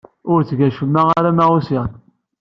Ur tteg acemma arma usiɣ-d.